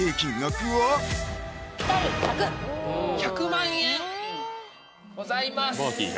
１００万円ございます